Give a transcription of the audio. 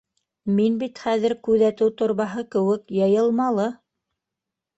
—Мин бит хәҙер күҙәтеү торбаһы кеүек йыйылмалы.